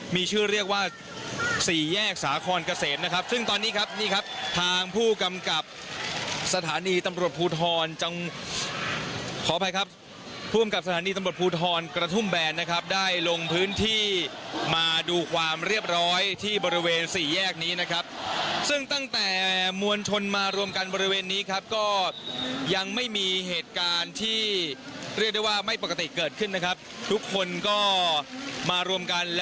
มีชื่อเรียกว่าสี่แยกสาคอนเกษมนะครับซึ่งตอนนี้ครับนี่ครับทางผู้กำกับสถานีตำรวจภูทรจังหวัดขออภัยครับภูมิกับสถานีตำรวจภูทรกระทุ่มแบนนะครับได้ลงพื้นที่มาดูความเรียบร้อยที่บริเวณสี่แยกนี้นะครับซึ่งตั้งแต่มวลชนมารวมกันบริเวณนี้ครับก็ยังไม่มีเหตุการณ์ที่เรียกได้ว่าไม่ปกติเกิดขึ้นนะครับทุกคนก็มารวมกัน